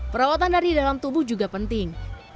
perawatan dari dalam tubuh juga penting